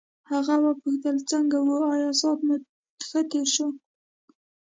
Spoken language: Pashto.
هغې وپوښتل څنګه وو آیا ساعت مو ښه تېر شو.